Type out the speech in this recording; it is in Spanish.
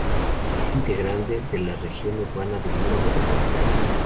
Es parte integrante de la región urbana de Lima Metropolitana.